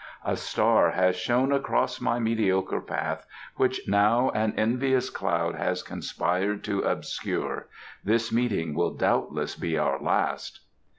A star has shone across my mediocre path which now an envious cloud has conspired to obscure. This meeting will doubtless be our last."